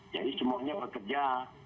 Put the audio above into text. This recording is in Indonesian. jadi semuanya bekerja